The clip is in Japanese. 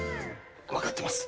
わかってます！